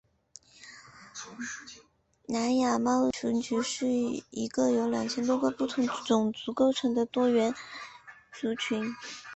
南亚裔族群是一个由二千多个不同种族构成的多元族群。